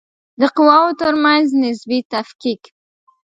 د قواوو ترمنځ نسبي تفکیک